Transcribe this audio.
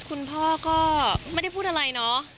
ครับก็ไม่ได้พูดอะไรเนาะ